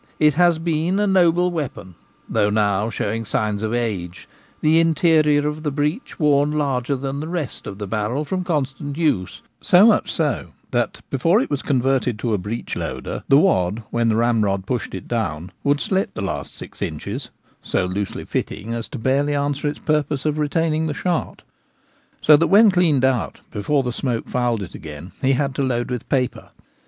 It has been a noble weapon, though now showing signs of age — the interior of the breech worn larger than the rest of the barrel from constant use ; so much so that, before it was converted to a breech loader, the wad when the ramrod pushed it down would slip the last six inches, so loosely fitting as to barely answer its purpose of The Gamekeeper at Home. retaining the shot ; so that when cleaned out, before the smoke fouled it again, he had to load with paper.